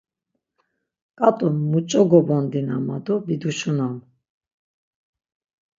Ǩat̆u muç̌o gobondina ma do biduşunam.